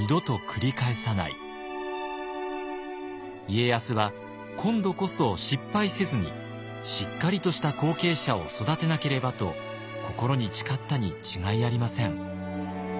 家康は今度こそ失敗せずにしっかりとした後継者を育てなければと心に誓ったに違いありません。